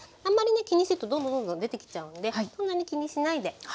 あんまり気にしてるとどんどんどんどん出てきちゃうのでそんなに気にしないで。